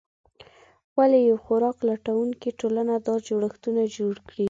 ولې یوه خوراک لټونکې ټولنه دا جوړښتونه جوړ کړي؟